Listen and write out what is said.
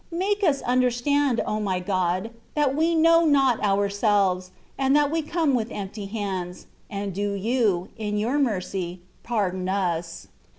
Make us imderstand, O my Grod! that we know not ourselves, and that we xx)me with empty hands ; and do you, in your m^cy, pardon us.